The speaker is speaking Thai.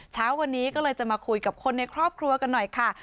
เช้าวันนี้ก็เลยจะมาคุยกับคนในครอบครัวกันหน่อยค่ะ